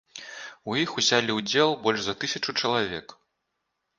У іх узялі ўдзел больш за тысячу чалавек.